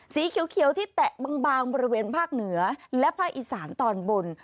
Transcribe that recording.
สีเขียวที่แตะบางบริเวณภาคเหนือและภาคอีสานตอนบน